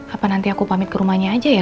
apa nanti aku pamit ke rumahnya aja ya